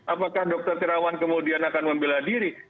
apakah dokter terawan kemudian akan membela diri